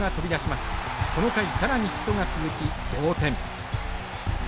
この回更にヒットが続き同点。